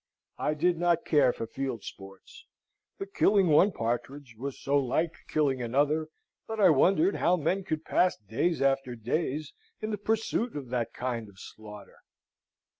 I did not care for field sports. The killing one partridge was so like killing another, that I wondered how men could pass days after days in the pursuit of that kind of slaughter.